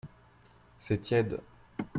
C'est tiède.